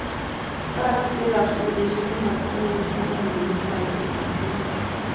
Basisyekab sugulisyek komatkolaa kipsomaninik saisyekab kemboi.